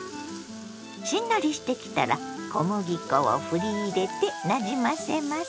しんなりしてきたら小麦粉をふり入れてなじませます。